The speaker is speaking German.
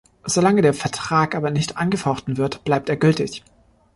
Solange der Vertrag aber nicht angefochten wird, bleibt er gültig.